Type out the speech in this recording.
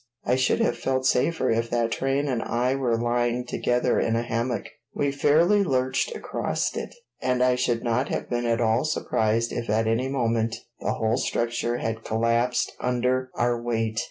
I should have felt safer if that train and I were lying together in a hammock. We fairly lurched across it, and I should not have been at all surprised if at any moment the whole structure had collapsed under our weight.